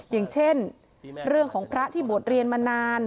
อย่างเช่นเรื่องของพระที่บวชเรียนมานาน